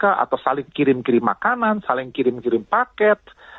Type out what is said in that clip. atau saling kirim kirim makanan saling kirim kirim paket